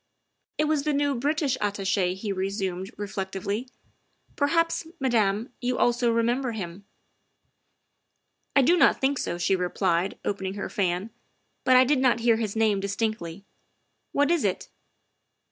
'' It was the new British Attache, '' he resumed reflect ively. " Perhaps, Madame, you also remember him." " I do not think so," she replied, opening her fan, " but I did not hear his name distinctly. What is it?"